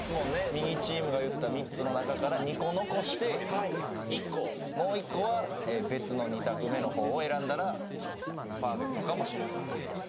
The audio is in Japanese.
右チームが言った３つの中から２個残してはいもう１個は別の２択目の方を選んだらパーフェクトかもしれないです